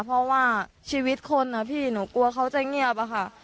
เพราะว่าชีวิตคนนะพี่หนูกลัวเขาจะเงียบอะค่ะ